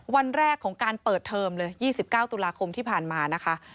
วันแรกของการเปิดเทอมเลย๒๙ตุลาคมที่ผ่านมานะคะ